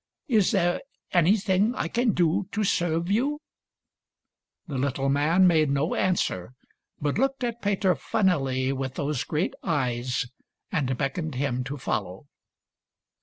Is there anything I can do to serve you }" The little man made no answer, but looked at Peter funnily with those great eyes, and beckoned him to follow.